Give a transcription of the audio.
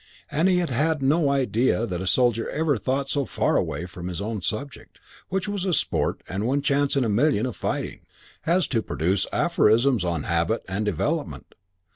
And he had had no idea that a soldier ever thought so far away from his own subject which was sport and one chance in a million of fighting as to produce aphorisms on habit and development.